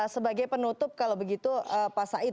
sebagai penutup kalau begitu pak said